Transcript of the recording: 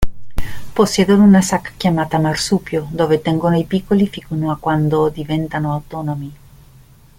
Possiedono una sacca chiamata "Marsupio" dove tengono i piccoli fino a quando diventano autonomi.